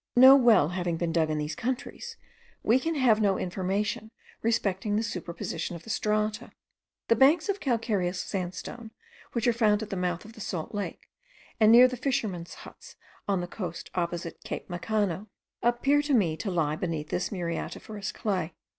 No well having been dug in these countries, we can have no information respecting the superposition of the strata. The banks of calcareous sandstone, which are found at the mouth of the salt lake, and near the fishermen's huts on the coast opposite Cape Macano, appeared to me to lie beneath the muriatiferous clay.)